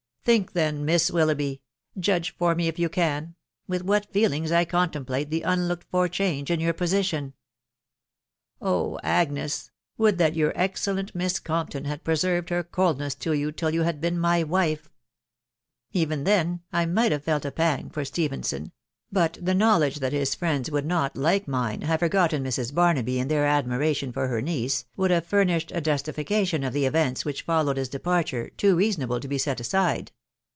Think then, Miss Willoughby .••• judge for me if you can, with what feelings I contemplate the un looked for change in your position .... Oh ! Agnes •«• would that your excellent Miss Compton had preserved, her coldness to you till you had been my wife ••.• Even then, I might have felt a pang for Stephenson ; but the knowledge that fail friends would not, like mine, have forgotten Mrs. Barnaby ia their admiration for her niece, would have furnished a justifi cation of the events which followed his departure too reason able to be set aside.